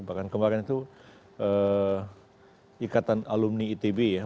bahkan kemarin itu ikatan alumni itb ya